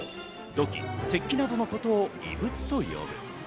土器、石器などのことを遺物という。